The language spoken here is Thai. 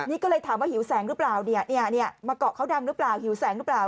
นี่ก็เลยถามว่าหิวแสงหรือเปล่าเนี่ยมาเกาะเขาดังหรือเปล่าหิวแสงหรือเปล่า